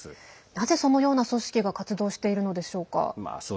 なぜ、そのような組織が活動しているのでしょうか。